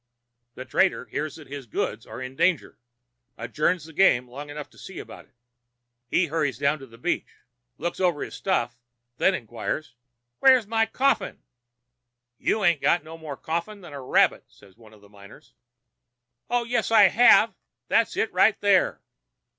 The trader, hearing that his goods are in danger, adjourns the game long enough to see about it. He hurries down to the beach, looks over his stuff, then inquires: "'Where's my coffin?' "'You 'ain't got no more coffin than a rabbit,' says one of the miners. "'Oh, yes, I have. That's it right there.'